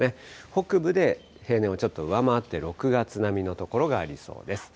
北部で平年をちょっと上回って６月並みの所がありそうです。